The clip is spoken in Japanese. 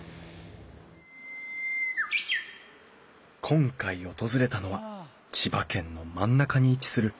今回訪れたのは千葉県の真ん中に位置する長南町。